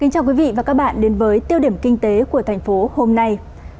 chào các bạn đến với tiêu điểm kinh tế của thành phố hôm nay